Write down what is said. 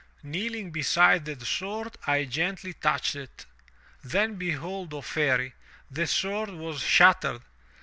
Kneeling beside the sword, I gently touched it. Then behold, O fairy! The sword was shattered.